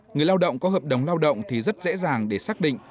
người lao động có hợp đồng lao động thì rất dễ dàng để xác định